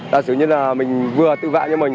thật sử như là mình vừa tự vệ như mình